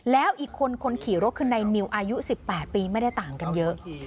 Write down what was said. แล้วอีกคนคนขี่รถคือในนิวอายุ๑๘ปีไม่ได้ต่างกันเยอะ